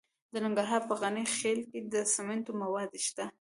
د ننګرهار په غني خیل کې د سمنټو مواد شته.